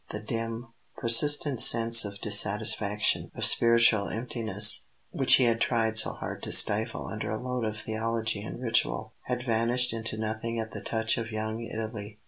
The dim, persistent sense of dissatisfaction, of spiritual emptiness, which he had tried so hard to stifle under a load of theology and ritual, had vanished into nothing at the touch of Young Italy.